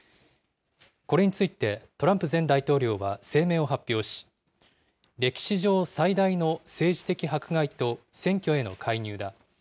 これについてトランプ前大統領は声明を発表し、歴史上最大の政治的迫害と選挙への介入だ。